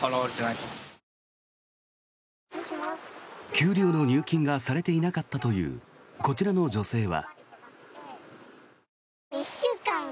給料の入金がされていなかったというこちらの女性は。